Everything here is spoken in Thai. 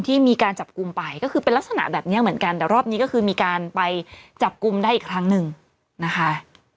มีการจับกลุ่มไปก็คือเป็นลักษณะแบบนี้เหมือนกันแต่รอบนี้ก็คือมีการไปจับกลุ่มได้อีกครั้งหนึ่งนะคะ